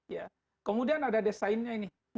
ya kemudian ada desainnya ini